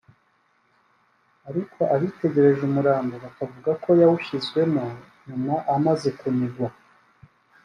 ariko abitegereje umurambo bakavuga ko yawushyizwemo nyuma amaze kunigwa